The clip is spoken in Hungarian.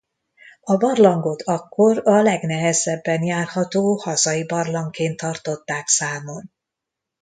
A barlangot akkor a legnehezebben járható hazai barlangként tartották számon.